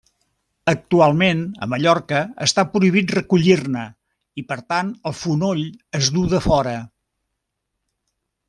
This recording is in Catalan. Actualment, a Mallorca està prohibit recollir-ne, i per tant, el fonoll es du de fora.